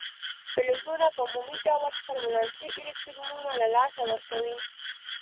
فلزونه په عمومي ډول خپل ولانسي الکترونونه له لاسه ورکوي.